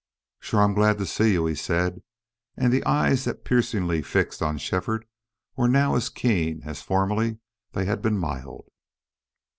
"Shore I'm glad to see you," he said, and the eyes that piercingly fixed on Shefford were now as keen as formerly they had been mild.